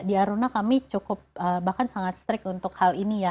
di aruna kami cukup bahkan sangat strict untuk hal ini ya